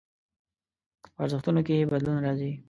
په ارزښتونو کې يې بدلون راځي.